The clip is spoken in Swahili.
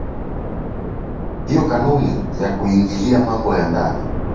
hiyo kanuni ya kuingilia mambo ya ndani